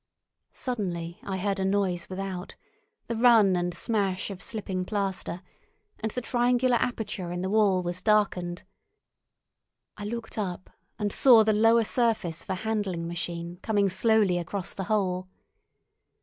Suddenly I heard a noise without, the run and smash of slipping plaster, and the triangular aperture in the wall was darkened. I looked up and saw the lower surface of a handling machine coming slowly across the hole.